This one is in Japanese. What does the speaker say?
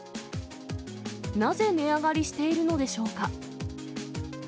なぜ値上がりしているのでしょうか。